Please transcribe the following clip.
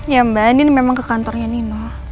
ya mbak andi ini memang ke kantor nino